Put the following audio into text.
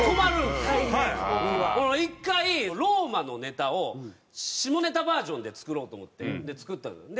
１回「ローマ」のネタを下ネタバージョンで作ろうと思って作ったのよ。